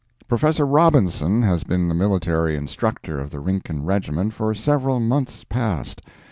Professor Robinson has been the military instructor of the Rincon Regiment for several months past.